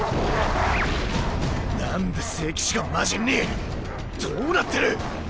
なんで聖騎士が魔神に⁉どうなってる！